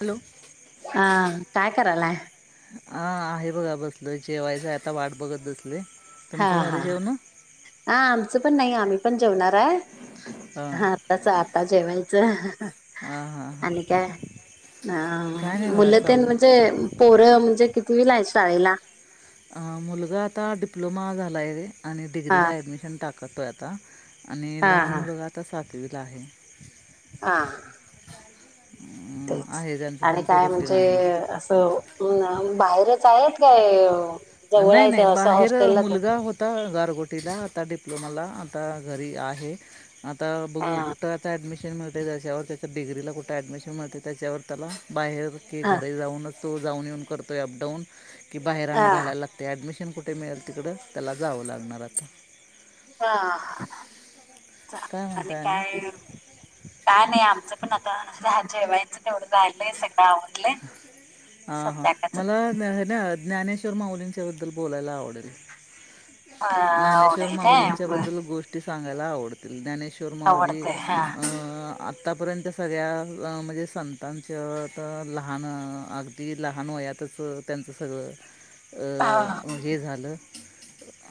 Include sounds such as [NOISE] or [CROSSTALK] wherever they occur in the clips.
Hello! ह काय करायलाय? हा आहे बघा बसल जेवायच आता वाट बघत बसली. हा, हा, हा आमचं पण नाही आम्ही पण जेवणार आहे हां हा. तसं आता जेवायचं. हां हां आणि हां काय अ काय नाही बघा मुलं चालू तेन आहे. म्हणजे पोर म्हणजे कितवीला आहे शाळेला? मुलगा आता डिप्लोमा झालाय आणि हा डिग्रीला ऍडमिशन टाकतोय आता. आणि हा लहान हा मुलगा आता सातवीला आहे. ह. अं, तेच आहे त्यांचं आणि त्यांचं काय रुटीन म्हणजे आहे असं बाहेरच आहेत काय. जवळ नाही आहेत नाही असं बाहेर हॉस्टेलला मुलगा होता. आता गारगोटीला आता डिप्लोमाला आता घरी आहे आता बघू कुठं. हा कुठं ॲडमिशन मिळते त्याच्यावर त्याच्या डिग्रीला कुठ ॲडमिशन मिळते त्याच्यावर त्याला बाहेर की हा घरी जाऊनचो जाऊन येऊन करतोय अप डाऊन की बाहेर हा आणि घालायला लागते ॲडमिशन कुठे मिळेल तिकडं त्याला जावं लागणार आता हा, काय आणि म्हणताय काय काय नाही आमचं पण आता जेवायचं तेवढं राहिलय सगळं आवारालंय. हा हा मला ना ज्ञानेश्वर माउलींच्या बद्दल बोलायला आवडेल. अ ज्ञानेश्वर आवडेल काय माउलींच्या बर बद्दल गोष्ट. गोष्टी सांगायला आवडतील ज्ञानेश्वर माऊली आवडते हा आता आत्तापर्यंत सगळ्या म्हणजे संतांच्या तर लहान अगदी लहान वयातचं त्यांचं सगळं [INAUDIBLE] अ हे झालं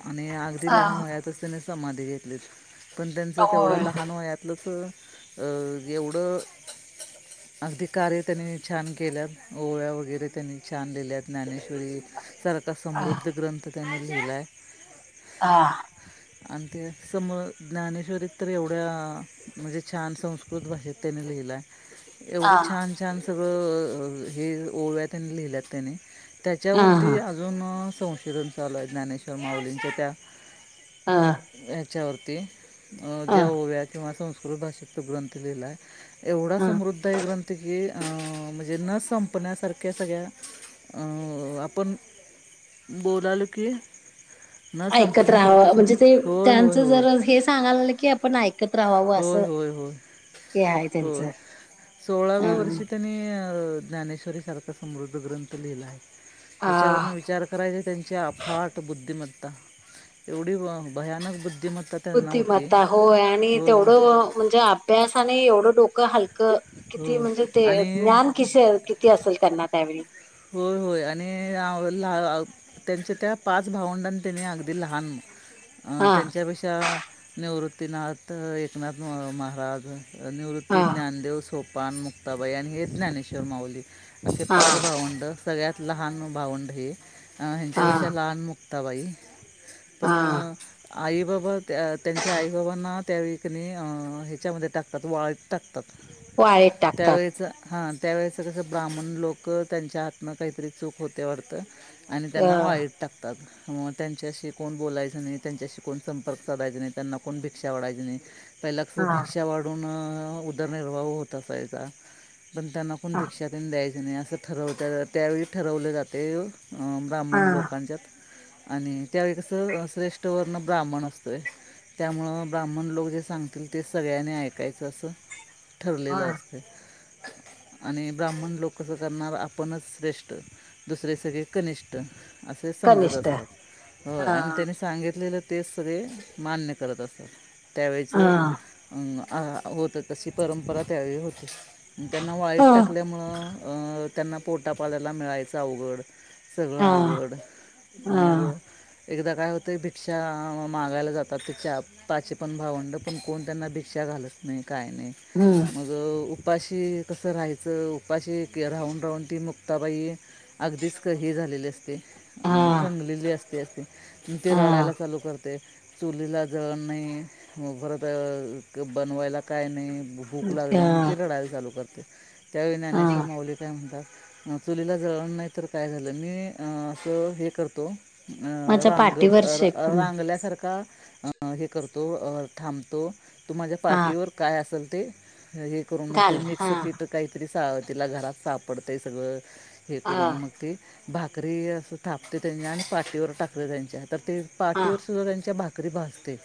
आणि अगदी लहान वयातच त्यांनी समाधी घेतलीच पण त्यांचं तेवढ्या होय लहान वयात तलंच एवढं [UNINTELLIGIBLE] अगदी कार्य त्यांनी छान केल्या ओळ्या वगैरे त्यांनी छान लिहिल्या ज्ञानेश्वरी सारखा अ समृद्ध ग्रंथ त्याने लिहिला आहे हा आणि ते समर ज्ञानेश्वरत तर एवढ्या म्हणजे छान संस्कृत भाषेत त्याने लिहिलं आहे [UNINTELLIGIBLE] एवढं छान छान सगळं हे ओव्या त्यांनी लिहिल्यात त्याने हा हा त्याच्यावरती अजून संशोधन चा आलं आहे ज्ञानेश्वर माउुलींच्या त्या हा ह्याच्यावरती ज्या ओव्या किंवा संस्कृत भाषेचा ग्रंथ लिहिला आहे एवढा ह समृद्ध आहे ग्रंथ की म्हणजे न संपण्यासारख्या सगळ्या आपण बोलालो की न ऐकत संपण्यासारखं राहाव सग म्हणजे ते होय होय त्यांचं होय जर हे सांगायला की आपण ऐकत राहावं असं होय, होय, होय, हे आहे होय त्यांचं अ सोळाव्या वर्षी नी ज्ञानेश्वरीं सारख समृद्ध ग्रंथ लिहिला त्याच्यावर हा विचार करायचे त्यांची अफाट बुद्धिमत्ता एवढी भयानक बुद्धिमत्ता त्यांना होती. बुद्धिमत्ता होय आणि होय तेवढं म्हणजे अभ्यास आणि एवढं डोकं हलक किती हो म्हणजे ते आणि ज्ञान कि किती असेल करणार त्यावेळी होय होय आणि त्यांच्या त्या पाच भावंडांनी त्यांनी अगदी लहान हा त्यांच्यापेक्षा निवृत्तीनाथ एकनाथ म महाराज निवृत्ती हा ज्ञानदेव सोपान मुक्ताबाई आणि हेच ज्ञानेश्वर माऊली असे हा पाच भावंड सगळ्यात लहान भावंड हे हा ह्यांच्यापेक्षा लहान मुक्ताबाई हा पण आई बाबा त्यांच्या आई बाबांना त्या कणी ह्याच्यामध्ये टाकतात वाळट टाकतात वाळेत टाकतात त्यावेळेस हा त्यावेळेस कसं ब्राह्मण लोक त्यांच्या हातनं काहीतरी चूक होते वाटतं आणि त्यांना अ वाईट टाकतात मग त्यांच्याशी कोण बोलायचं नाही त्यांच्याशी कोण संपर्क साधायचा नाही त्यांना कोण भिक्षा वाढायची नाही पहिल्या कस हा भिक्षा वाढून उदरनिर्वाह होत असायचा पण त्यांना कोण हा भिक्षा त्यांनी द्यायचं नाही असं ठरवत त्यावेळी ठरवले जाते हा ब्राह्मण लोकाांच्यात आणि त्यावे कसं श्रेष्ठ वर्ण ब्राह्मण असतोय त्यामुळं ब्राह्मण लोक जे सांगतील ते सगळ्यांनी ऐकायचं असं हा ठरलेलं असते आणि ब्राह्मण लोक कसं करणार आपणच श्रेष्ठ दुसरे सगळे कनिष्ठ असे समजत कनिष्ठ असतात होय हा आणि त्यांनी सांगितलेलं ते सगळे मान्य करत असतात हा त्यावेळेचे आ होतं तशी परंपरा त्यावेळी होते त्यांना वाईट हा टाकल्यामुळं त्यांना पोटापाल्याला मिळायचं अवघड सगळं हा अवघड मग हा एकदा काय होतं भिकठ्षा मागायला जातात ते चाप पाशे पण भावंड पण कोण त्यांना भिक्षा घालत नाही काय नाही हम्म मग उपाशी कसं राहायचं उपाशी राहून राहून ती मग तताबाई अगदीच कही झालेली असते हा अ खंगलेली असते असते ते हा रडायला चालू करते चुलीला जळण नाही पररंत बनवायला काय नाही भूक लागली हा म्हणून ती लढाई चालू करते त्यावेळी ज्ञानेश्वर हा माऊली काय म्हणतात चुलीला जळण नाही तर काय झालं मी असं हे करतो माझ्या रांगत पाठीवर शेकून रांगल्यासारखा हे करतो थांबतो तू माझ्या हा पार्टीवर काय असेल ते हे करून मग ते घाल मिक्स हा पीठ काहीतरी तिला घरात सापडतंय सगळं हे हा करून मग ती भाकरी असं थापते त्यांनी आणि पाटवर टाकली त्यांच्या तर ते हा पाठीवर सुद्धा त्यांच्या भाकरी भासते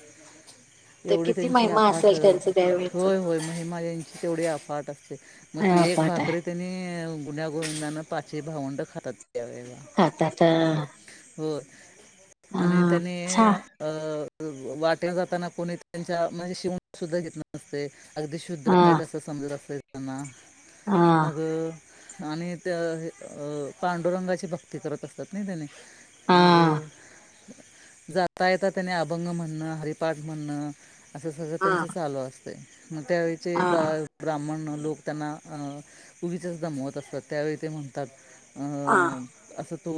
ते एवढी किती त्यांची महिमा अफात असेल त्यांचं त्यावेळेच होय होय महिमा यांची अ तेवढी अफाट असते मग हा ती एक पाठ आहे भाकरी त्यानी पुण्या गोविंदांानं पाचवी भावंडं खातात यावेला खातात हो आणि हा त्यानी छा अ वाट्या जाताना कोणी त्यांच्या म्हणजे शिवण सुद्धा घेत नसते अगदी शुद्ध्र हा आहेत असं समजत असता त्यांना हा मग आणि त्या पांडुरंगाची भक्ती करत असतात ना त्याने हा मग आता येता त्याने अभंग म्हणणं हरिपाठ म्हणणं असे सगळं हा त्यांचे चालू असते. मग त्यावेळेचे बा हा ब्राह्मण लोक त्यांना पूवीीच्याच दमवत असतात. तर त्यावेळी ते म्हणतात हा अ असं तो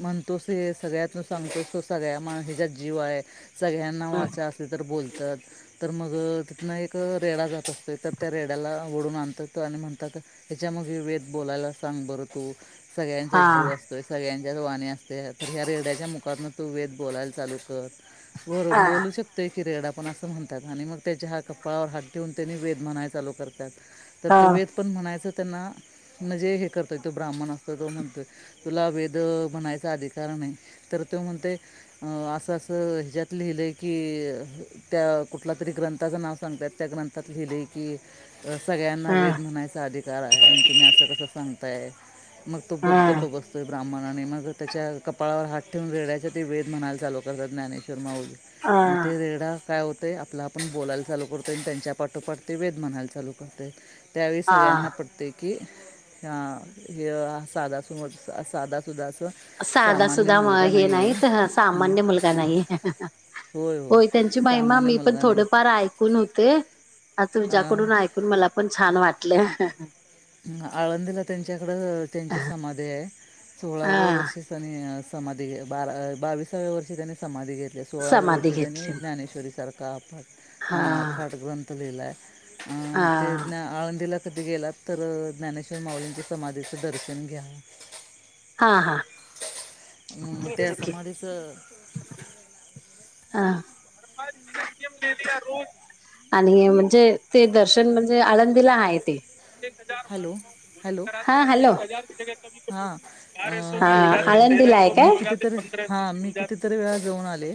म्हणतोस हे सगळ्यातन सांगतोस तो सगळ्या माण हच्यात जीव आहे. सगळ्यांना हम्म. वाचा असले तर बोलतात. तर मग तिथूनं एक रेडा जात असतोय तर त्या रेड्याला ओडून आणतात आणि म्हणतात. त्याच्यामध्ये वेद बोलायला सांग बरं तू सगळ्यांच्या हा जीवा सगळ्यांच्याच वाणी असते तर ह्या रेड्याच्या मुखातन तू वेद बोलायला चालू कर. बर हा बोलूच. त किरेड पण असं म्हणतात आणि मग त्याच्या ह कपाळावर हात ठेऊन त्यांनी वेद म्हणाय चालू करतात. तर हा ते वेद पण म्हणायचं त्यांना म्हणजे हे करतोय तो ब्राह्मण असतो तो म्हणतोय. तुला वेध बनायचा अधिकार नाही तर तो म्हणते. अं असं असं ह्याच्यात लिहिलंय की त्या कुठला तरी ग्रंथाचं नाव सांगतात त्या ग्रंथात लिहिले की तर सगळ्यांना वेद म्हणायचा अधिकार आहे आणि तुम्ही असं कसं सांगताय. मग तो हा बग्गप बसतो. ब्राह्मणा आणि मग त्याच्या कपाळावर हात ठेवून रेड्याचा ते वेद म्हणायला चालू करतात ज्ञानेश्वर माऊली हा म रेढा काय होतें आपला आपण बोलायला चालू करतो आणि त्यांच्या पाठोपाठ ते वेद म्हणायला चालू करते. त्यावेळी हा सगळ्यांना पडतो की ह हे साध सु साधा सुधा अस. साधा सुद्धा हे नाहीत हं. सामान्य मुलगा नाही होय त्यांची महिमा सामान्य मी पण मुलगा नाही थोडफार ऐक ून होते तुझ्याकडून आ- ऐकून मला पण छान वाटले ह आळंदीला त्यांच्याकड त्यांची समाधी आहे सोळाव्या हा वर्षी नी समाधी बारा बावीसाव्या वर्षी त्यांनी समाधी घेतली सोळाव्या समाधी वर्षी त्यांनी घेतली ज्ञानेश्वरीसारखा अफाट हा अफाट ग्रंथ लिहिला आहे. अ हा ते आळंदीला कधी गेलात तर ज्ञानेश्वर माऊजंच्या समाधीचं दर्शन घ्या. हां हां. त्या समाधसं. हा. आणि म्हणजे ते दर्शन म्हणजे आळंदीला आहे ते हज हॅलो हॅलो भज ह हॅलो हजार जग हां अं, ह ब- मी ह लायक मी ह. कितीतरी हा मी कितीतरी वेळा जाऊन आले.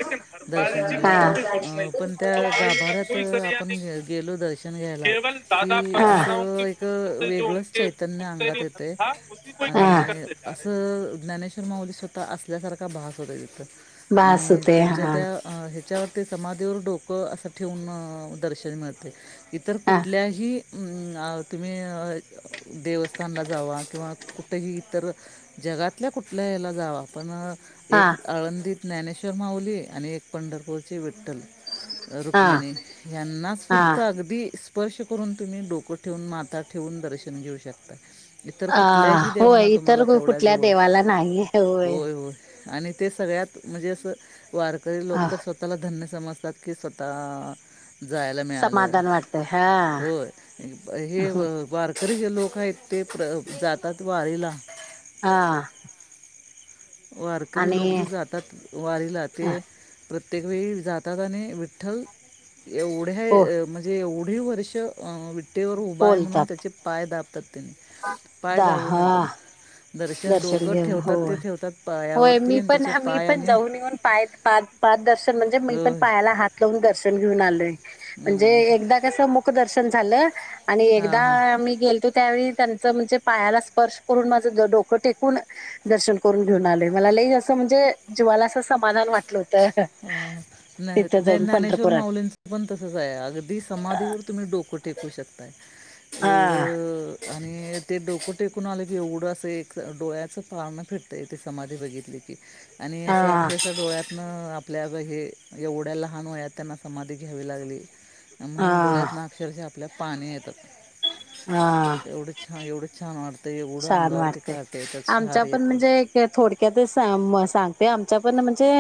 दर्शन घेऊन हा अ पण त्या गाभाऱ्यात आपण गेलो दर्शन घ्यायला. कि असं एक वेगळंच चैतन्य अंगात येतय. आणि असं ज्ञानेश्वर माऊली स्वतः असल्यासारखा भास होत तथं. बास आणि होते त्यांच्या हा त्या अ ह्याच्यावरती समाधीवर डोकं असं ठेवून दर्शन मिळते. इतर हा कुठल्याही तुम्ही? देवस्थानला जावा किंवा कुठेही इतर जगातल्या कुठल्या याला जाव पण हा एक आळंदीत ज्ञानेश्वर माऊली आणि एक पंढरपूरची विठ्ठल हा रुक्मिणी यांनाच फक्त हा अगदी स्पर्श करून तुम्ही डोकट ठेवून माता ठेवून दर्शन घेऊ शकतात. इतर कुठल्याही अ देवाना होय तुम्हाला इतर कुठल्या तेवढ्याजवळ देवाला नाही होय होय. आणि ते सगळ्यात म्हणजे असं वारकरी लो अ तर स्वतः स्ला धन्य समजतात की स्वतः जायला मिळालं समाधान वाटतय हा होय. हे वारकरी जे लोक आहेत ते प्र जातात वारीला हा. वारकरी आणि लोक जे जातात. वारीला ते प्रत्येक वेळी जातात आणि विठ्ठल हो एवढ्या म्हणजे एवढी वर्ष विठ्ठेवर उभा आहे म्हणून बोलतात त्याचे पाय दापतात त्यांनी पाय दा दाब हा नेतात दर्शन डोकत घेऊन हो ठेवतात ते ठेवतात. होय पायावरती मी आणि पण त्याचे मी पाय पण आणि जाऊन येऊन पाय पा पा दर्शन म्हणजे मी पण होय पायाला हात ून दर्शन घेऊन आलय म्हणजे हम्म. एकदा कस मुक दर्शन झालं. आणि हा हा एकदा मी गेलतो त्यावेळी त्यांचं म्हणजे पायाला स्पर्श करून माझं ज डोक टेकून दर्शन करून घेऊन आले मला लई असं म्हणजे जीवाला असं समाधान वाटलंत. अ ज्ञानेश्वर पंढरपुरात माउलींचा पण तसच आहे अगदी समाधीवर तुम्ही डोकं टेकू शकताय हा एवढं. आणि ते डोकं टेकून आले की एवढं असं एक डोळ्याचं पारण फेटतय तेे समाधी बघितली. आणि हा असं अक्षरश डोळ्यात आपल्या हे एवढ्या लहान वया त्यांना समाधी घ्यावी लागली हा म्हणून डोळ्यात ना. अक्षरशा आपल्या पाणी येतात. ह. एवढं छान एवढं छान वाटतं एवढं अंगावरती काट येतात शार येतात. थोडक्यात सांगते आमच्या पण म्हणजे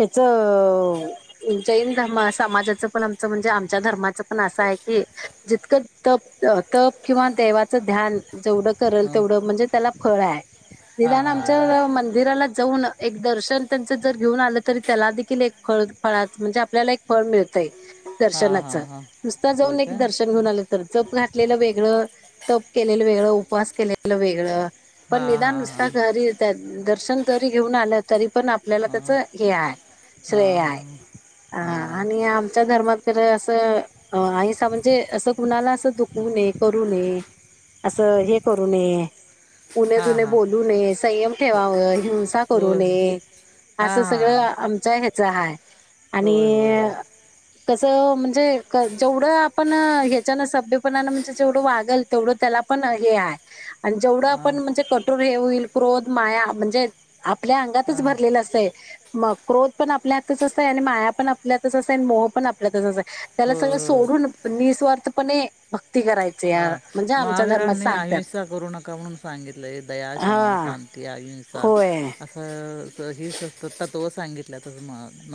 हच उ जैन धर्म समाजाच पण आमचं म्हणजे आमच्या धर्माचं. असं आहे की जितकं तप तप किंवा देवाचं ध्यान जेवढं. ल हं. तेवढ म्हणजे त्याला फ आहे नि हां हां हां आ मंदिराला जाऊन एक दर्शन त्यांच जर घेऊन आलं तरी त्याला देखील एक फळ फळात म्हणजे आपल्याला एक. फर मिळतय. हां दर्शनाचं हां हां नुसता होय जाऊन का एक दर्शन घेऊन आलं तर जप घातलेलं वेगळं. तप केलेलं वेगळं उपवास केलेलं वेगळं. पण हां निदान हां नुसत हां घरी त्या दर्शन जरी घेऊन आलं तरी पण आपल्याला त्याच हे आहे. हा हा. हा आणि आमच्या धर्मात खर असं. आणि म्हणजे असं कुणाला असं दुखवू नये करू नये असं हे. करून उन हां तने हां बोलू नये संयम हो ठेवाव हिंसा करू होय होय नये. असं हां सगळं हां आमच ह्याच आहेय आणि होय होय होय कसं म्हणजे जेवढं आपण ह्याच्यान सभ्यपणानं म्हणजे जेवढं वागल तेवढं त्याला पण हे आहे आणि जेवढं हां आपण म्हणजे कठोर हे होईल क्रोध माया म्हणजे आपल्या अंगातच हां भरलेलं असंय मग क्रोध पण आपल्या हातच असतय आणि माया पण आपल्या हातच असत आणि मोह पण आपल्यातच असय त्याला होय सगळ होय सोडून निःस्वार्थपणे भक्ती करा हा महावीरांनी अहिसा करू नका म्हणून सांगितलंय दया क्षमा हा शांती अहिंसा होय ही सता तो सांगित [INAUDIBLE]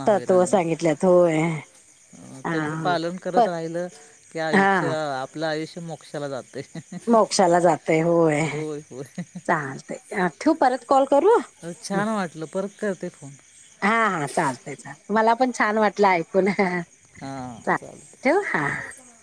तव सांगितल्यात होय अ त्यांचं हा पालन करत पण राहिलं की आयुष्य हा आपलं आयुष्य मोक्षाला जाते मोक्षाला जाते होय चालते ठेव परत कॉल करू तर छान वाटलं परत करते फोन हा हा चालतय चालते मला पण छान वाटलं ऐकून हा चालेल ठेवू हा. चालते